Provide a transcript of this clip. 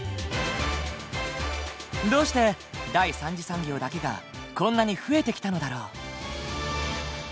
どうして第三次産業だけがこんなに増えてきたのだろう？